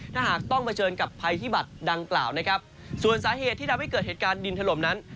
ถ้าหากต้องเผชิญกับภัยพิบัตรดังกล่าวนะครับส่วนสาเหตุที่ทำให้เกิดเหตุการณ์ดินถล่มนั้น